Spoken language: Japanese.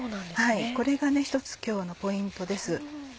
これが１つ今日のポイントです。